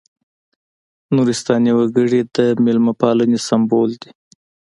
نورستاني وګړي د مېلمه پالنې سمبول دي.